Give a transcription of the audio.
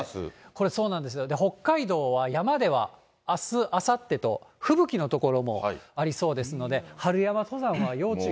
これそうなんですよ、北海道は山ではあす、あさってと、吹雪の所もありそうですので、春山登山は要注意。